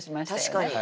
確かに。